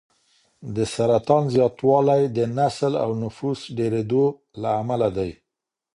د سرطان زیاتوالی د نسل او نفوس ډېرېدو له امله دی.